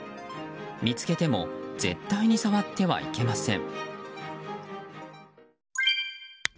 見つけても絶対に触ってはいけません。